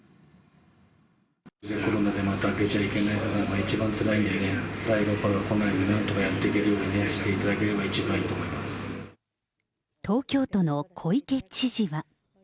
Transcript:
コロナでまた開けちゃいけないってなるのが、一番つらいんでね、第６波が来ないようになんとかやっていただけるようにしてい東京都の小池知事は。